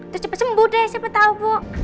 terus cepat sembuh deh siapa tahu bu